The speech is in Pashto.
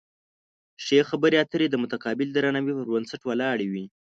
ښې خبرې اترې د متقابل درناوي پر بنسټ ولاړې وي.